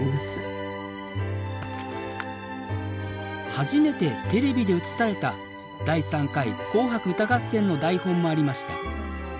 初めてテレビで映された「第３回紅白歌合戦」の台本もありました。